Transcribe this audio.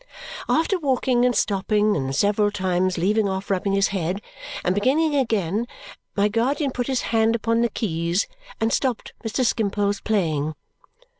After walking and stopping, and several times leaving off rubbing his head, and beginning again, my guardian put his hand upon the keys and stopped Mr. Skimpole's playing.